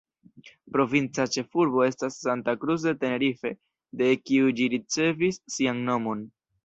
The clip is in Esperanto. Provinca ĉefurbo estas Santa Cruz de Tenerife, de kiu ĝi ricevis sian nomon.